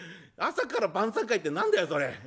朝から晩餐会って何だよそれ！